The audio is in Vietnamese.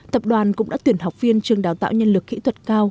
tập đoàn cũng đã tuyển học viên trường đào tạo nhân lực kỹ thuật cao